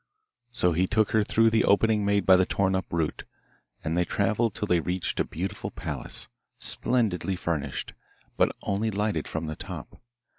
So he took her through the opening made by the torn up root, and they travelled till they reached a beautiful palace, splendidly furnished, but only lighted from the top.